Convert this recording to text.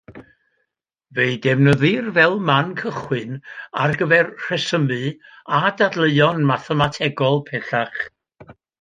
Fe'i defnyddir fel man cychwyn ar gyfer rhesymu a dadleuon mathemategol pellach.